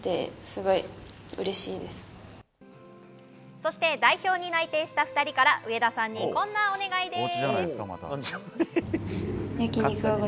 そして代表に内定した２人から上田さんにこんなお願いです。